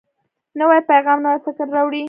نوی پیغام نوی فکر راوړي